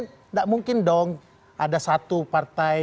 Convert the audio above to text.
tidak mungkin dong ada satu partai